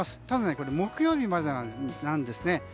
ただ、木曜日までなんですね。